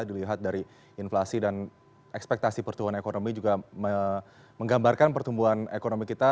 dilihat dari inflasi dan ekspektasi pertumbuhan ekonomi juga menggambarkan pertumbuhan ekonomi kita